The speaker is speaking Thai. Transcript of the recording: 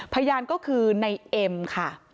พยานก็คือในเอ็มค่ะ